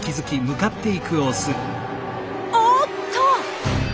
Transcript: おっと！